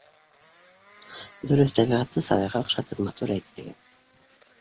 — Дөрөҫ, тәбиғәтте сабыйға оҡшатып, матур әйттегеҙ